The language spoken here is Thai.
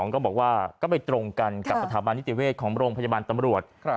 ก็บอกว่าก็ไปตรงกันกับสถาบันนิติเวชของโรงพยาบาลตำรวจ